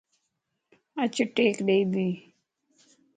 اچ ٽيڪ ڏئي ٻي